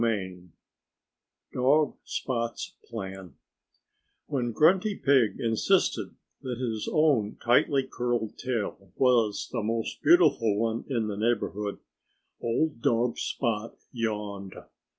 XIX DOG SPOT'S PLAN When Grunty Pig insisted that his own tightly curled tail was the most beautiful one in the neighborhood, old dog Spot yawned.